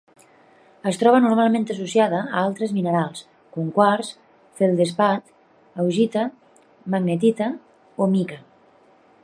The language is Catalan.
Es troba normalment associada a altres minerals, com quars, feldespat, augita, magnetita o mica.